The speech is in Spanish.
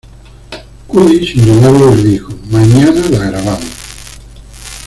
Cudi, sin dudarlo, le dijo: "mañana la grabamos".